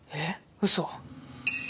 ウソ